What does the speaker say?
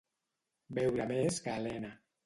Beure més que alena.